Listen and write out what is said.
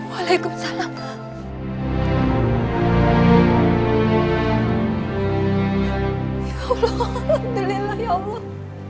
ya allah alhamdulillah ya allah